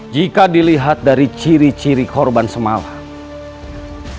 jika dilihat dari ciri ciri korban semalam